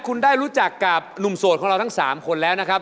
คุณได้รู้จักกับหนุ่มโสดของเราทั้ง๓คนแล้วนะครับ